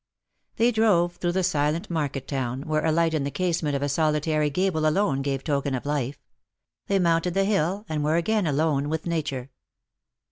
They drov% through the silent market town, where a light in the casement of a solitary gable alone gave token of life. They mounted the hill, and were again alone with nature.